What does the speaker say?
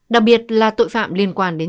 đặc biệt là tội phạm liên quan đến